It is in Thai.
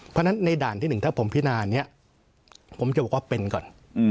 เพราะฉะนั้นในด่านที่๑ถ้าผมพินานี้ผมจะบอกว่าเป็นก่อน